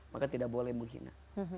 maka tidak boleh menghina